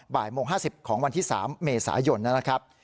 บ่ายโมง๕๐ของวันที่๓เมษายนนะครับ